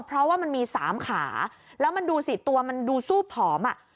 เพราะว่ามันมี๓ขาแล้วมันดูสิตัวมันดูซูบผอมอ่ะ